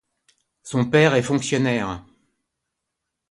Son père est fonctionnaire.